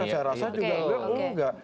saya rasa juga nggak